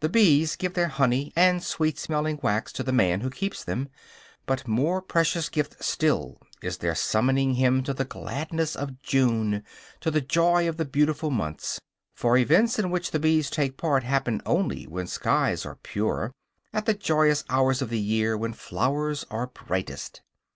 The bees give their honey and sweet smelling wax to the man who keeps them, but more precious gift still is their summoning him to the gladness of June, to the joy of the beautiful months; for events in which bees take part happen only when skies are pure, at the joyous hours of the year when flowers are brightest.